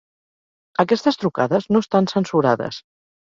Aquestes trucades no estan censurades.